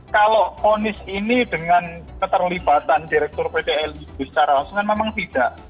kalau ponis ini dengan keterlibatan direktur pt lib secara langsung kan memang tidak